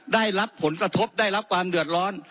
ได้รับผลกระทบได้รับความเดือดร้อน